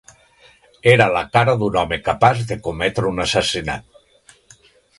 Era la cara d'un home capaç de cometre un assassinat